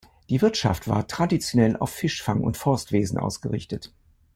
Die Wirtschaft war traditionell auf Fischfang und Forstwesen ausgerichtet.